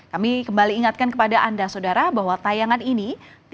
kami kembali ingatkan kepada anda saudara bahwa tayangan ini